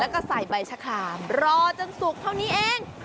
แล้วก็ใส่ใบชะคลามรอจนสุกเท่านี้เอง